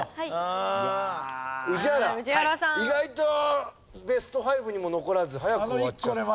宇治原意外とベスト５にも残らず早く終わっちゃったね。